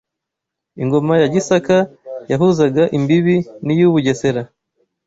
Ingoma ya Gisaka yahuzaga imbibi n’iy’u Bugesera